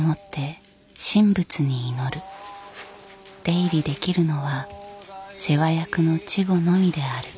出入りできるのは世話役の稚児のみである。